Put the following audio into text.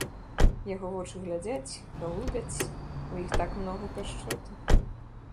Яго вочы глядзяць, галубяць, у іх так многа пяшчоты.